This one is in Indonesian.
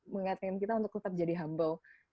mengingatkan kita untuk tetap jadi humble